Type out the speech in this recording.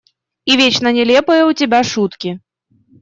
И вечно нелепые у тебя шутки…